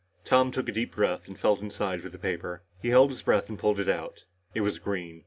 Tom took a deep breath and felt inside for the paper. He held his breath and pulled it out. It was green.